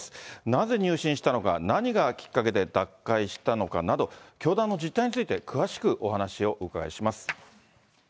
なぜ入信したのか、何がきっかけで脱会したのかなど、教団の実態について詳しくお話をお伺いします。